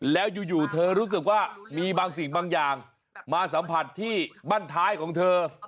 แล้วอยู่เธอรู้สึกว่ามีบางสิ่งบางอย่างมาสัมผัสที่บ้านท้ายของเธอ